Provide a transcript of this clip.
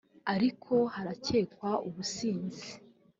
ariko harakekwa ubusinzi